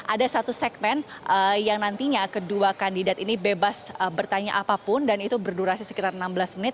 ada satu segmen yang nantinya kedua kandidat ini bebas bertanya apapun dan itu berdurasi sekitar enam belas menit